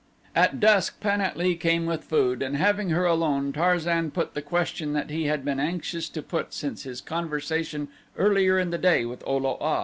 At dusk Pan at lee came with food and having her alone Tarzan put the question that he had been anxious to put since his conversation earlier in the day with O lo a.